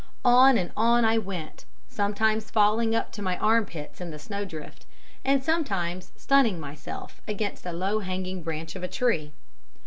"On and on I went, sometimes falling up to my armpits in the snowdrift, and sometimes stunning myself against a low hanging branch of a tree.